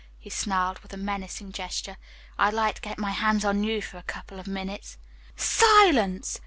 he snarled with a menacing gesture. "I'd like to get my hands on you for a couple of minutes." "Silence!"